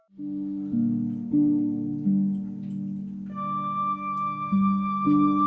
belum pulang pak